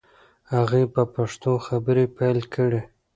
هغې په پښتو خبرې پیل کړې.